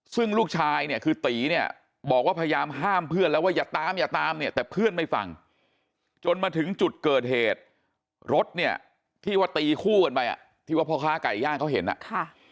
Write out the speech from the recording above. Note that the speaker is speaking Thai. ซึ่งลูกชายเนี่ยคือตีเนี่ยบอกว่าพยายามห้ามเพื่อนแล้วว่าอย่าตามอย่าตามเนี่ยแต่เพื่อนไม่ฟังจนมาถึงจุดเกิดเหตุรถเนี่ยที่ว่าตีคู่กันไปอ่ะที่ว่าพ่อค้าไก่ย่างเขาเห็นอ่ะค่ะ